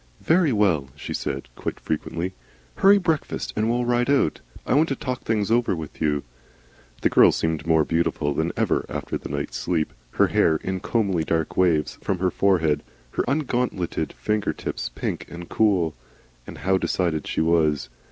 "Very well," she said (quite friendly); "hurry breakfast, and we'll ride out. I want to talk things over with you." The girl seemed more beautiful than ever after the night's sleep; her hair in comely dark waves from her forehead, her ungauntleted finger tips pink and cool. And how decided she was!